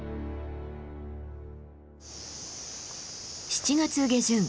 ７月下旬